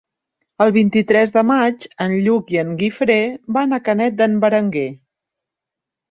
El vint-i-tres de maig en Lluc i en Guifré van a Canet d'en Berenguer.